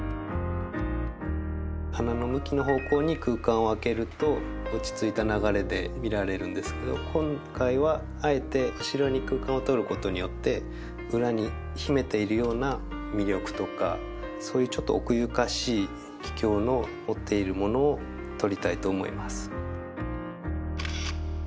花の向きの方向に空間をあけると落ち着いた流れで見られるんですけど今回は裏に秘めているような魅力とかそういうちょっと奥ゆかしいキキョウの持っているものを撮りたいと思います。